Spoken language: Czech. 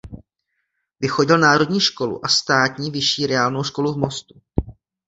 Vychodil národní školu a státní vyšší reálnou školu v Mostu.